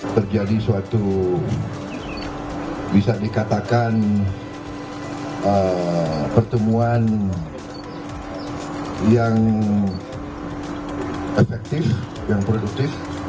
terjadi suatu bisa dikatakan pertemuan yang efektif yang produktif